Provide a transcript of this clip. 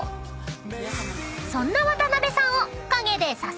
［そんな渡邊さんを］